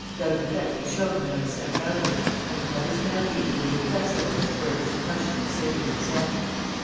D'Albufex had shown him how to set about it; and Clarisse Mergy would be inflexible where it was a question of saving her son.